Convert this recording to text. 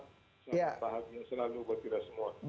selalu berhati hati selalu berhati hati buat kita semua